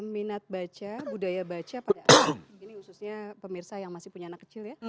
minat baca budaya baca pada anak ini khususnya pemirsa yang masih punya anak kecil ya